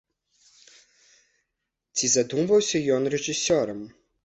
Ці задумваўся ён рэжысёрам?